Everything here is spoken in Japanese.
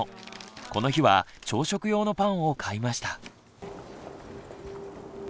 この日は朝食用のパンを買いました。